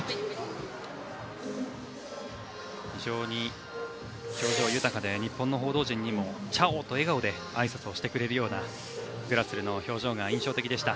非常に表情豊かで日本の報道陣にもチャオと挨拶をしてくれるようなグラスルの表情が印象的でした。